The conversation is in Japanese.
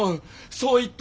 そう言った。